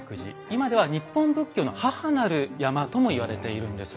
今では「日本仏教の母なる山」とも言われているんです。